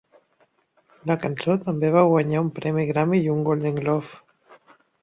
La cançó també va guanyar un premi Grammy i un Golden Globe.